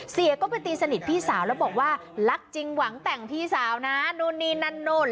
เสียก็ไปตีสนิทพี่สาวแล้วบอกว่ารักจริงหวังแต่งพี่สาวนะนู่นนี่นั่นนู่น